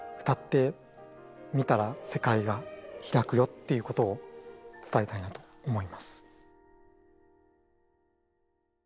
っていうことを伝えたいなと思います。